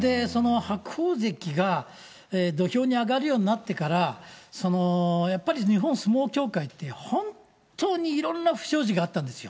白鵬関が土俵に上がるようになってから、やっぱり日本相撲協会って、本当にいろんな不祥事があったんですよ。